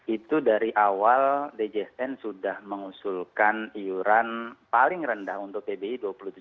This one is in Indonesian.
itu dari awal djsn sudah mengusulkan iuran paling rendah untuk pbi dua puluh tujuh